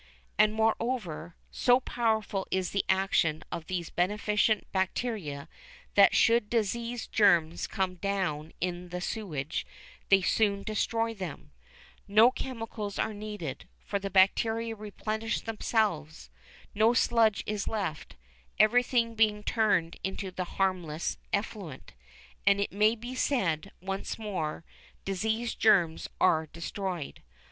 And, moreover, so powerful is the action of these beneficent bacteria that should disease germs come down in the sewage they soon destroy them. No chemicals are needed, for the bacteria replenish themselves. No sludge is left, everything being turned into the harmless effluent. And, it may be said once more, disease germs are destroyed.